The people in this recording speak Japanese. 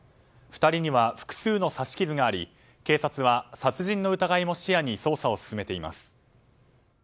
２人には複数の刺し傷があり警察は殺人の疑いも視野に捜査を進めています。